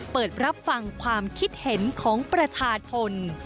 เปิดรับฟังความคิดเห็นของประชาชน